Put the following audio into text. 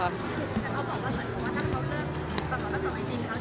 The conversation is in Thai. เหมือนกับถ้าเขาเลิกถ้าบอกคุณประสงค์ไม่จริงครับ